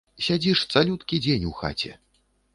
Сядзіш цалюткі дзень у хаце.